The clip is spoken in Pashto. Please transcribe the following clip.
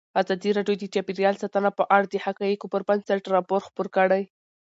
ازادي راډیو د چاپیریال ساتنه په اړه د حقایقو پر بنسټ راپور خپور کړی.